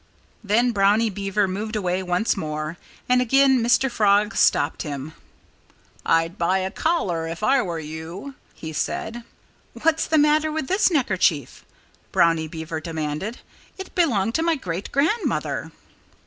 Then Brownie Beaver moved away once more. And again Mr. Frog stopped him. "I'd buy a collar if I were you," he said. "What's the matter with this neckerchief?" Brownie Beaver demanded. "It belonged to my great grandmother."